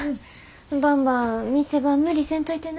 ばんば店番無理せんといてな。